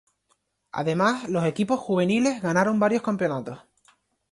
Además, los equipos juveniles ganaron varios campeonatos.